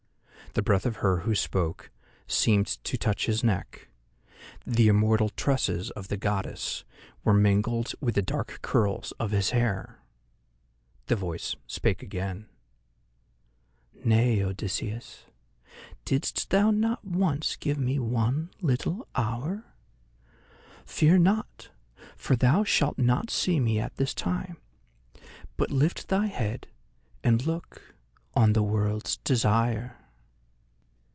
The breath of her who spoke seemed to touch his neck; the immortal tresses of the Goddess were mingled with the dark curls of his hair. The voice spake again: "Nay, Odysseus, didst thou not once give me one little hour? Fear not, for thou shalt not see me at this time, but lift thy head and look on The World's Desire!"